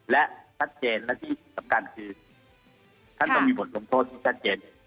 และชัดเจนและที่สำคัญคือท่านต้องมีบทลงโทษที่ชัดเจน